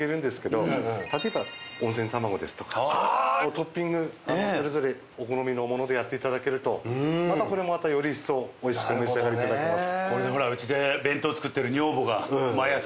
トッピングそれぞれお好みのものでやって頂けるとまたこれもより一層おいしくお召し上がり頂けます。